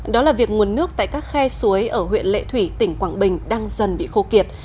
đó là việc nguồn nước tại các khe suối ở huyện lệ thủy tỉnh quảng bình đang dần bị khô kiệt